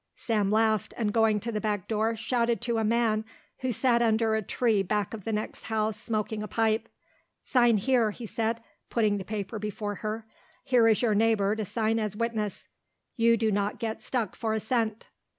Sam laughed and going to the back door shouted to a man who sat under a tree back of the next house smoking a pipe. "Sign here," he said, putting the paper before her. "Here is your neighbour to sign as witness. You do not get stuck for a cent."